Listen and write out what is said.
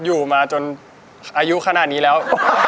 อยู่มาจนอายุขนาดนี้แล้ว